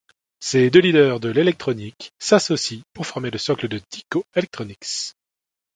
Ces deux leaders de l'électronique s'associent pour former le socle de Tyco Electronics.